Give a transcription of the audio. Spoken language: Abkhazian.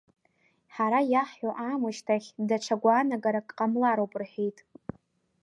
Ҳара иаҳҳәо аамышьҭахь даҽа гәаанагарак ҟамлароуп рҳәеит.